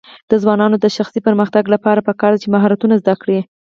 د ځوانانو د شخصي پرمختګ لپاره پکار ده چې مهارتونه زده کړي.